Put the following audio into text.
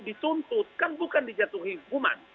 dituntut kan bukan dijatuhi hukuman